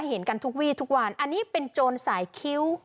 เห็นกันทุกวี่ทุกวันอันนี้เป็นโจรสายคิ้ว